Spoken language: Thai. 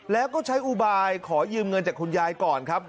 แล้วก็ใช้อุบายขอยืมเงินจากคุณยายก่อนครับ